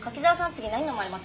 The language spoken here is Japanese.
次何飲まれます？